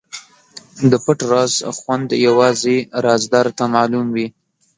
د پټ راز خوند یوازې رازدار ته معلوم وي.